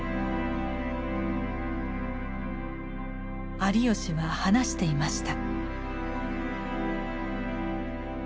有吉は話していました。